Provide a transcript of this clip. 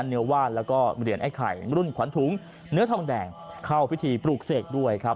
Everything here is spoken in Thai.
เนื้อว่านแล้วก็เหรียญไอ้ไข่รุ่นขวัญถุงเนื้อทองแดงเข้าพิธีปลูกเสกด้วยครับ